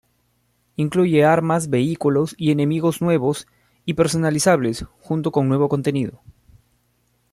Incluye armas, vehículos y enemigos nuevos y personalizables, junto con nuevo contenido.